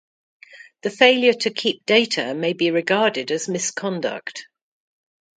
The failure to keep data may be regarded as misconduct.